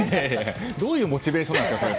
どういうモチベーションなんですか。